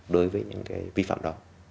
đối với những cái vi phạm đó